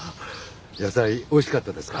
野菜おいしかったですか？